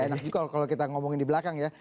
oh kalau kita ngomongin di belakang ya